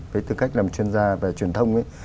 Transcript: với tư cách làm chuyên gia về truyền thông ấy